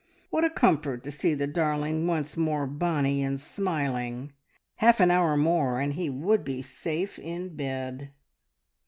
What a comfort to see the darling once more bonnie and smiling. Half an hour more and he would be safe in bed.